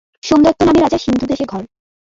সোমদত্ত নামে রাজা সিন্ধু দেশে ঘর।